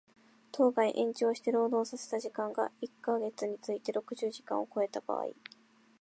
当該延長して労働させた時間が一箇月について六十時間を超えた場合